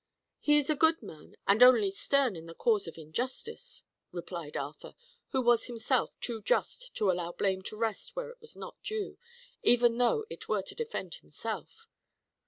"He is a good man, and only stern in the cause of injustice," replied Arthur, who was himself too just to allow blame to rest where it was not due, even though it were to defend himself.